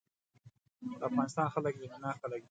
د افغانستان خلک مينه ناک خلک دي.